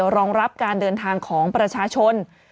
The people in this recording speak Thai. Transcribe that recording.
รองรับการเดินทางของประชาชน